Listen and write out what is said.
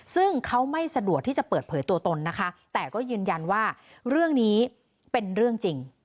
ซึ่งเขาไม่สะดวกที่จะเปิดเผยตัวตนนะคะแต่ก็ยืนยันว่าเรื่องนี้เป็นเรื่องจริง